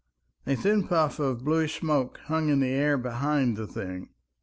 A thin puff of bluish smoke hung in the air behind the thing.